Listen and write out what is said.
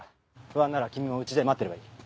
不安なら君も家で待ってればいい。